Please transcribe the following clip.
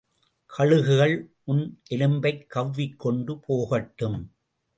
கழுகுகள் உன் எலும்பைக் கவ்விக் கொண்டு போகட்டும்!